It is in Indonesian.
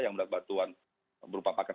yang mendapat bantuan berupa paket